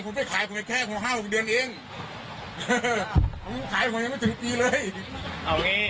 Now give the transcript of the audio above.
ผมไปขายคนแค่ของห้าหกเดือนเองขายคนยังไม่ถึงปีเลยเอาอย่างงี้